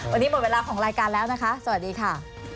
วันนี้หมดเวลาของรายการแล้วนะคะสวัสดีค่ะ